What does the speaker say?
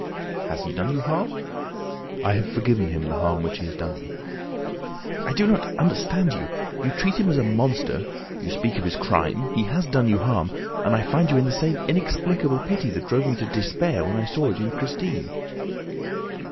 "Has he done you harm?" "I have forgiven him the harm which he has done me." "I do not understand you. You treat him as a monster, you speak of his crime, he has done you harm and I find in you the same inexplicable pity that drove me to despair when I saw it in Christine!"